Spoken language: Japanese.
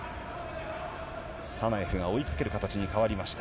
サナエフが追いかける形に変わりました。